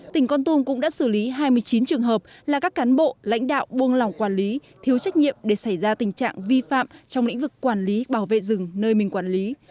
tỉnh con tung cũng đã xử lý hai mươi chín trường hợp là các cán bộ lãnh đạo buông lòng quản lý thiếu trách nhiệm để xảy ra tình trạng vi phạm trong lĩnh vực quản lý bảo vệ rừng nơi mình quản lý